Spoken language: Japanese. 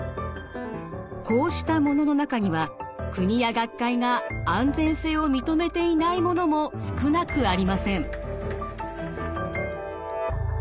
こうしたものの中には国や学会が安全性を認めていないものも少なくありません。